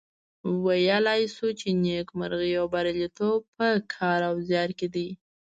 ویلای شو چې نیکمرغي او بریالیتوب په کار او زیار کې دي.